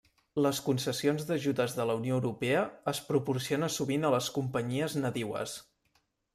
Les concessions d'ajudes de la Unió Europea es proporciona sovint a les companyies nadiues.